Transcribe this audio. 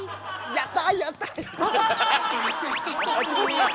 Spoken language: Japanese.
やった！